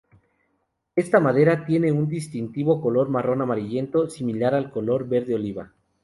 Esta madera tiene un distintivo color marrón amarillento similar al color verde oliva.